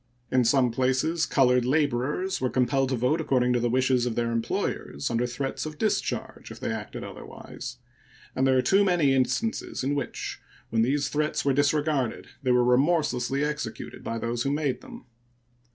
In some places colored laborers were compelled to vote according to the wishes of their employers, under threats of discharge if they acted otherwise; and there are too many instances in which, when these threats were disregarded, they were remorselessly executed by those who made them.